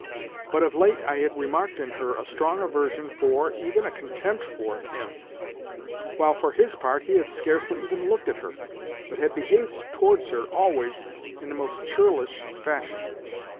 But of late I had remarked in her a strong aversion for, even a contempt for—him, while, for his part, he had scarcely even looked at her, but had behaved towards her always in the most churlish fashion.